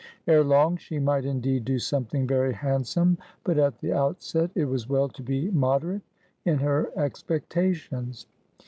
Ere long she might indeed do something very handsome; but at the outset, it was well to be moderate in her expectations.